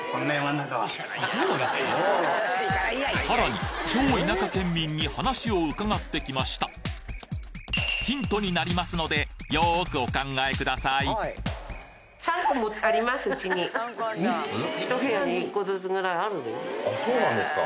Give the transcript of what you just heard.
さらにチョ田舎県民に話を伺ってきましたヒントになりますのでよくお考えくださいうちに。ずつぐらいあるで。